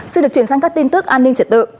xin được chuyển sang các tin tức an ninh trật tự